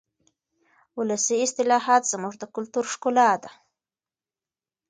ولسي اصطلاحات زموږ د کلتور ښکلا ده.